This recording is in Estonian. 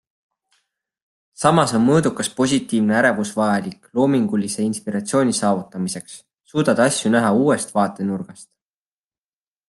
Samas on mõõdukas positiivne ärevus vajalik loomingulise inspiratsiooni saavutamiseks - suudad asju näha uuest vaatenurgast.